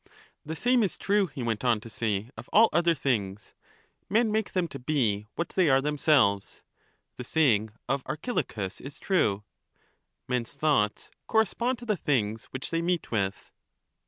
The same is true, he went on to say, of all other things ; men make them to be what they are themselves. The saying of Archilochus is true :—' Men's thoughts correspond to the things which they meet with.'